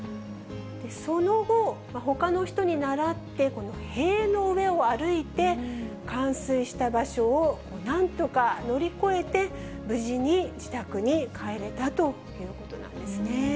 その後、ほかの人にならって、この塀の上を歩いて、冠水した場所をなんとか乗り越えて、無事に自宅に帰れたということなんですね。